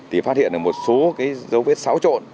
thì phát hiện một số dấu vết xáo trộn